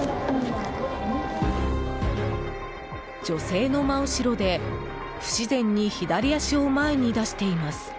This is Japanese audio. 女性の真後ろで不自然に左足を前に出しています。